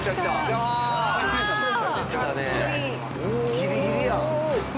ギリギリやん。